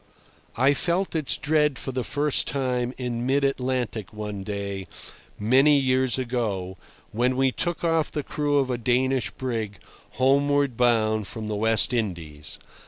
I felt its dread for the first time in mid Atlantic one day, many years ago, when we took off the crew of a Danish brig homeward bound from the West Indies.